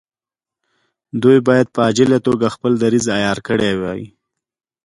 دوی باید په عاجله توګه خپل دریځ عیار کړی وای.